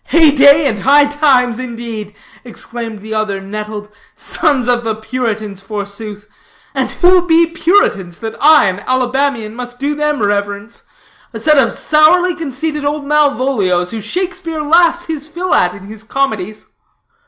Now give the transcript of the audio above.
"Hey day and high times indeed," exclaimed the other, nettled, "sons of the Puritans forsooth! And who be Puritans, that I, an Alabamaian, must do them reverence? A set of sourly conceited old Malvolios, whom Shakespeare laughs his fill at in his comedies."